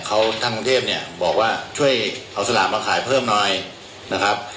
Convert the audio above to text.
เขาทางกรุงเทพเนี่ยบอกว่าช่วยเอาสลากมาขายเพิ่มหน่อยนะครับ